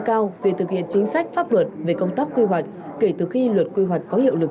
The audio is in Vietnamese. cao về thực hiện chính sách pháp luật về công tác quy hoạch kể từ khi luật quy hoạch có hiệu lực